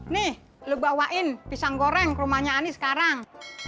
nih lu bawain pisang goreng ke rumahnya ani sekarang